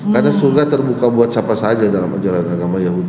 karena surga terbuka buat siapa saja dalam ajaran agama yahudi